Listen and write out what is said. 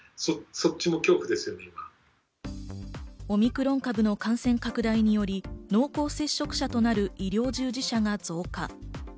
オミクロン株の感染拡大により濃厚接触者となる医療従事者が増加。